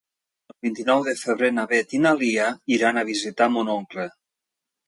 El vint-i-nou de febrer na Beth i na Lia iran a visitar mon oncle.